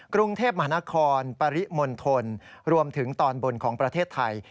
กรุงเทพมหานครปริมณฑลรวมถึงตอนบนของประเทศไทย